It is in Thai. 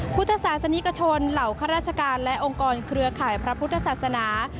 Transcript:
พุทธศาสนิกชนเหล่าข้าราชการและองค์กรเครือข่ายพระพุทธศาสนา